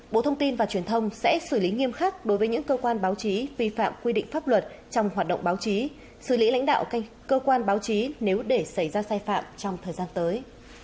bộ thông tin và truyền thông sẽ xử lý nghiêm khắc đối với những cơ quan báo chí vi phạm quy định pháp luật trong hoạt động báo chí xử lý lãnh đạo cơ quan báo chí nếu để xảy ra sai phạm trong thời gian tới